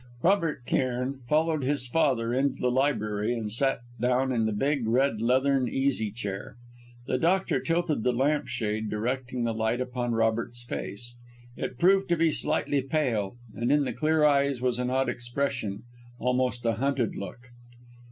Robert Cairn followed his father into the library and sat down in the big, red leathern easy chair. The doctor tilted the lamp shade, directing the light upon Robert's face. It proved to be slightly pale, and in the clear eyes was an odd expression almost a hunted look.